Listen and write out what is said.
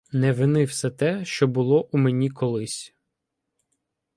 Не вини все те, що було у мені колись.